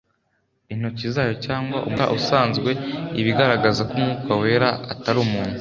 intoki” zayo cyangwa “umwuka” usanzwe, iba igaragaza ko umwuka wera atari umuntu